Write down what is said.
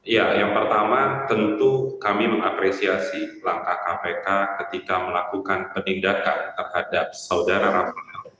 ya yang pertama tentu kami mengapresiasi langkah kpk ketika melakukan penindakan terhadap saudara rafael